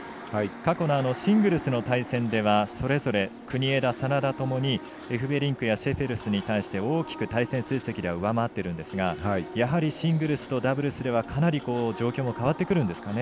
過去のシングルスの対戦ではそれぞれ、国枝、眞田ともにエフベリンクやシェフェルスに対して、大きく対戦成績では上回っているんですがやはり、シングルスとダブルスでは状況が変わってくるんですかね。